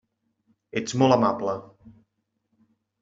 Ets molt amable.